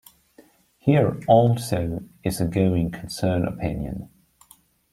Here, also, is the going concern opinion.